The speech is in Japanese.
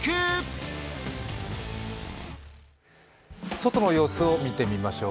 外の様子を見てみましょう。